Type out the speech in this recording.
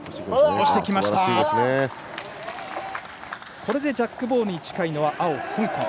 これでジャックボールに近いのは青の香港。